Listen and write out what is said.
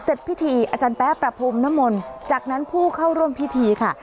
เสร็จพิธีอาจารย์แป๊ะประพรมนมลจากนั้นผู้เข้าร่วมพิธีค่ะ